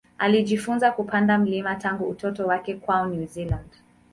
Alijifunza kupanda milima tangu utoto wake kwao New Zealand.